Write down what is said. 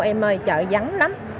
em ơi chợ vắng lắm